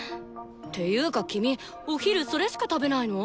ていうか君お昼それしか食べないの？